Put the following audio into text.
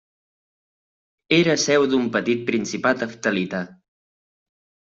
Era seu d'un petit principat heftalita.